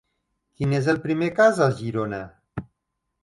Quin és el primer cas a Girona?